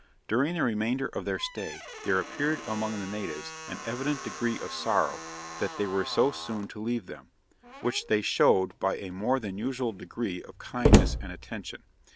During the remainder of their stay, there appeared among the natives an evident degree of sorrow that they were so soon to leave them, which they showed by a more than usual degree of kindness and attention.